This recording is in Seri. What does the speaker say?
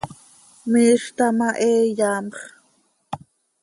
Miizj taa ma, he iyaamx.